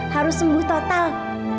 harus sembuh total